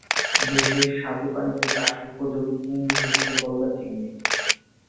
দেশে স্বাদু পানিতে চাষ উপযোগী চিংড়ি হচ্ছে গলদা চিংড়ি।